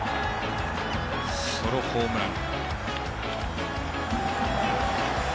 ソロホームラン。